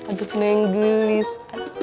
aduh no gelis aduh